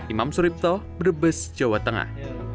imam suripto brebes jawa tengah